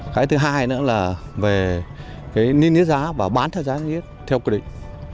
cái thứ hai nữa là về cái níu giá và bán theo giá níu giá theo quy định